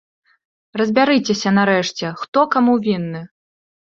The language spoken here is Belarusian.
Разбярыцеся нарэшце, хто каму вінны!